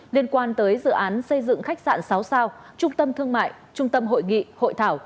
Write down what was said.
liên quan tới dự án xây dựng khách sạn sáu sao trung tâm thương mại trung tâm hội nghị hội thảo